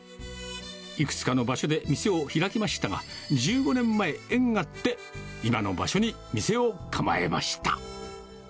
いくつかの場所で店を開きましたが、１５年前、縁あって今の場所に店を構えました。